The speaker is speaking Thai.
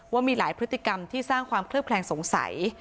ว่ามีหลายพฤติกรรมที่สร้างความเคลือบแคลงสงสัย